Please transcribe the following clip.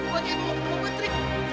bu aja yang mau ketemu putri